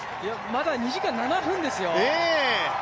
まだ２時間７分ですよ。